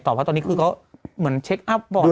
ต่อว่าตอนนี้คือเขาเหมือนเช็กอัพบ่อย